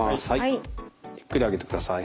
ゆっくり上げてください。